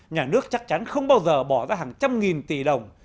nhà nước chắc chắn không bao giờ bỏ ra hàng trăm nghìn tỷ đồng